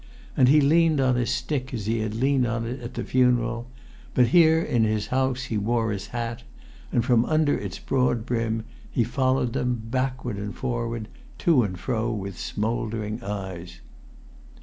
And he leant on his stick as he had leant on it at the funeral; but here in his house he wore his hat; and from under its broad brim he followed them, backward and forward, to and fro, with smouldering eyes.